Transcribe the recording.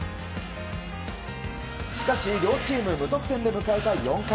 しかし、両チーム無得点で迎えた４回。